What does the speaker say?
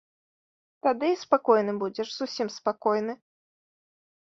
Тады і спакойны будзеш, зусім спакойны.